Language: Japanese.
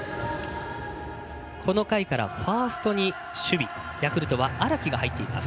この回からファーストに守備ヤクルトは荒木が入っています。